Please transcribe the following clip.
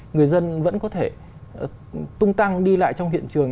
người dân vẫn có thể tung tăng đi lại trong hiện trường